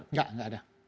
tidak tidak ada